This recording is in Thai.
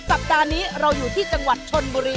สัปดาห์นี้เราอยู่ที่จังหวัดชนบุรี